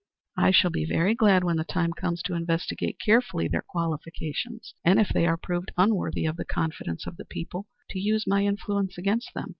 "I shall be very glad when the time comes to investigate carefully their qualifications, and if they are proved to be unworthy of the confidence of the people, to use my influence against them.